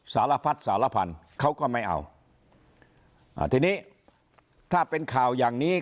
สารพัดสารพันธุ์เขาก็ไม่เอาอ่าทีนี้ถ้าเป็นข่าวอย่างนี้